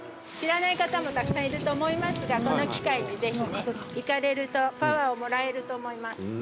知らない方もたくさんいると思いますがこの機会にぜひね行かれるとパワーをもらえると思います。